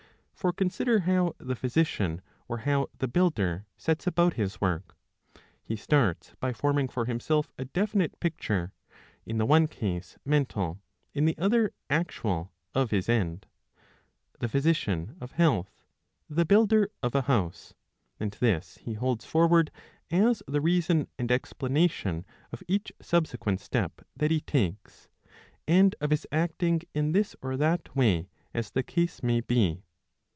For consider how the physician or how the builder sets about his work. He starts by forming for himself a definite picture, in the one case mental, in the other actual, of his end — the physician of health, the builder of a house — and this he holds forward as the reason and explanation of each sub sequent step that he takes, and of his acting in this or that way as the case may be.